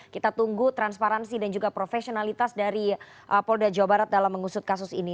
kita tunggu transparansi dan juga profesionalitas dari polda jawa barat dalam mengusut kasus ini